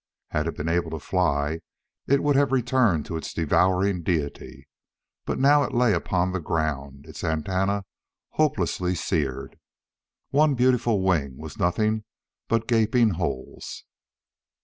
Had it been able to fly, it would have returned to its devouring deity; but now it lay upon the ground, its antennae hopelessly seared. One beautiful wing was nothing but gaping holes.